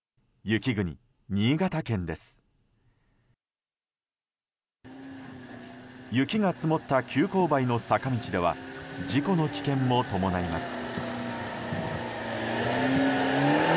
雪が積もった急勾配の坂道では事故の危険も伴います。